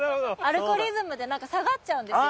ルゴリズムで下がっちゃうんですよ。